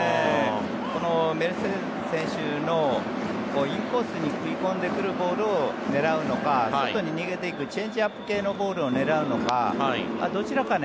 このメルセデス選手のインコースに食い込んでくるボールを狙うのか外に逃げていくチェンジアップ系のボールを狙うのかどちらかね